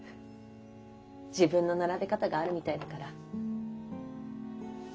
自分の並べ方があるみたいだから。